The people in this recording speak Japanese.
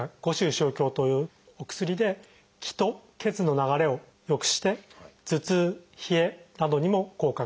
生姜湯というお薬で「気」と「血」の流れをよくして頭痛冷えなどにも効果が出ております。